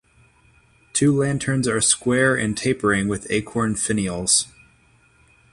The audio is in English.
Two lanterns are square and tapering with acorn finials.